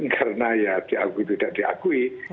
karena ya tidak diakui